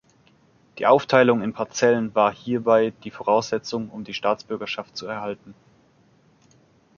Die Aufteilung in Parzellen war hierbei die Voraussetzung, um die Staatsbürgerschaft zu erhalten.